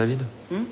うん。